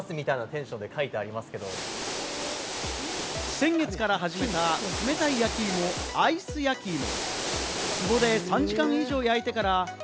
先月から始めた冷たい焼き芋、アイスやきいも。